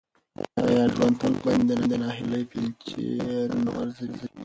آیا ژوند تل په موږ باندې د ناهیلۍ بیلچې نه راغورځوي؟